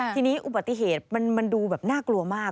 ทีนี้อุบัติเหตุมันดูแบบน่ากลัวมาก